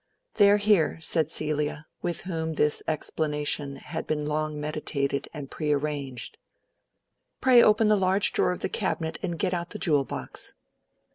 "They are here," said Celia, with whom this explanation had been long meditated and prearranged. "Pray open the large drawer of the cabinet and get out the jewel box."